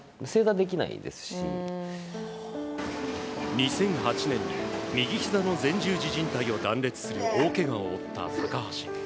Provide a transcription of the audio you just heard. ２００８年に右ひざの前十字じん帯を断裂する大けがを負った高橋。